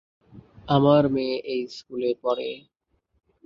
আমার মেয়ে এই স্কুলে পড়ে।